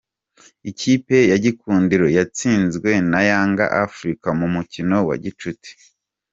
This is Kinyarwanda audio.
Ikipe Yagikundiro yatsinzwe na Yanga Afurika mu mukino wa gicuti.